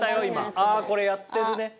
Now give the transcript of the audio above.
あこれやってるね。